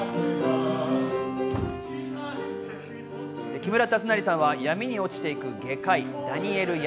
木村達成さんは闇に堕ちていく外科医・ダニエル役。